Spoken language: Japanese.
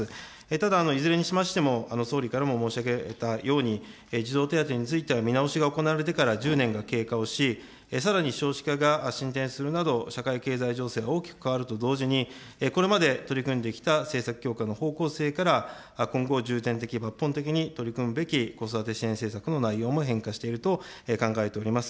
ただ、いずれにしましても、総理からも申し上げたように、児童手当については見直しが行われてから１０年が経過をし、さらに少子化が進展するなど、社会経済情勢が大きく変わると同時に、これまで取り組んできた政策強化の方向性から、今後、重点的、抜本的に取り組むべき子育て支援政策の内容も変化していると考えております。